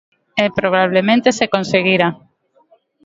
E probablemente se conseguira.